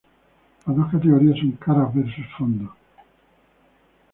Las dos categorías son caras versus fondo.